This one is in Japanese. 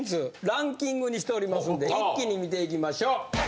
ランキングにしておりますんで一気に見ていきましょう。